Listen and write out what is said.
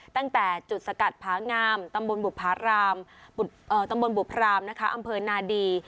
ตั้งแต่จุดสกัดพ้างามตำบลบุพรามอำเภอนาดี